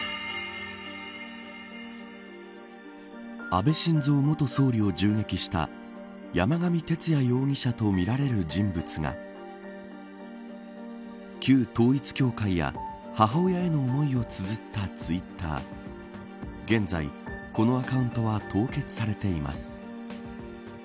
安倍晋三元総理を銃撃した山上徹也容疑者とみられる人物が旧統一教会や、母親への思いをつづったツイッター現在、このアカウントは凍結されています。